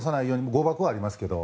誤爆はありますけど。